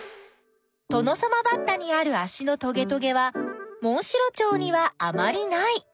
トノサマバッタにあるあしのトゲトゲはモンシロチョウにはあまりない。